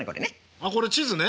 あこれ地図ね。